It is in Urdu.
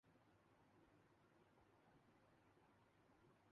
آخر قومی مفاد بھی کوئی چیز ہے۔